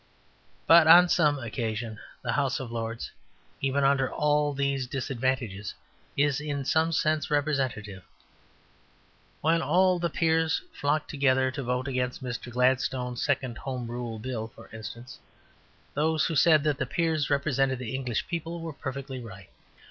But on some occasions the House of Lords, even under all these disadvantages, is in some sense representative. When all the peers flocked together to vote against Mr. Gladstone's second Home Rule Bill, for instance, those who said that the peers represented the English people, were perfectly right.